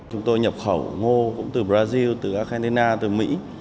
chúng tôi nhập khẩu ngô cũng từ brazil từ argentina từ mỹ